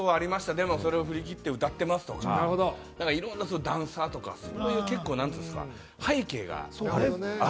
でもそれを振り切って歌っていますとか、いろいろ、ダンサーとか何というか背景がある。